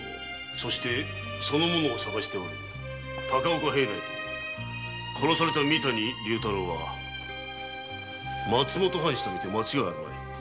そしてその者を捜す高岡平内と殺された三谷竜太郎は松本藩士とみて間違いあるまい。